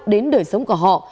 đến đời sống của họ